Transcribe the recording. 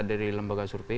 dari lembaga surpi